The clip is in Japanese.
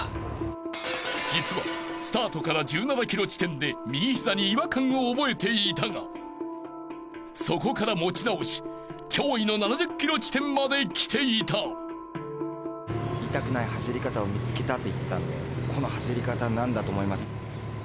［実はスタートから１７ｋｍ地点で右膝に違和感を覚えていたがそこから持ち直し驚異の７０ｋｍ地点まで来ていた］って言ってたんでこの走り方なんだと思います。